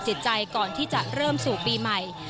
จิตใจก่อนที่จะเริ่มสู่ปีใหม่